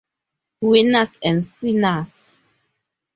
Winners and sinners.